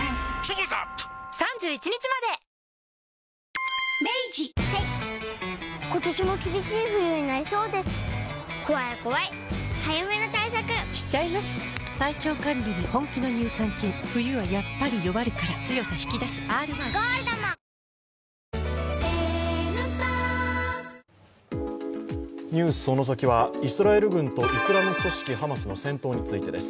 「ＧＯＬＤ」も「ＮＥＷＳそのサキ！」はイスラエル軍とイスラム組織ハマスの戦闘についてです。